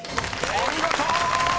［お見事！］